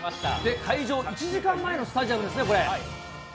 開場１時間前のスタジアムですね、これ。